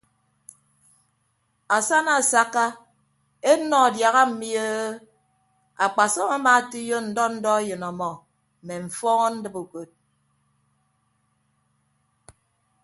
Asana asakka ennọ adiaha mmi e akpasọm amaatoiyo ndọ ndọ eyịn ọmọ mme mfọọn ndibe ukod.